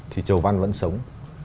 thì trầu văn vẫn sống